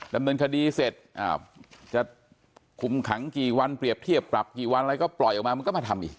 ดำเนินคดีเสร็จจะคุมขังกี่วันเปรียบเทียบปรับกี่วันอะไรก็ปล่อยออกมามันก็มาทำอีก